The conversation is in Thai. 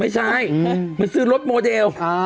ไม่ใช่มันซื้อรถโมเดล